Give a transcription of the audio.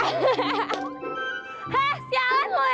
hah sialan lo ya